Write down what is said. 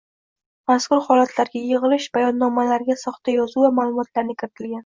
Mazkur holatlarga yigʻilish bayonnomalariga soxta yozuv va maʼlumotlarni kiritilgan